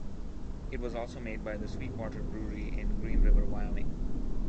It was also made by the Sweetwater Brewery in Green River, Wyoming.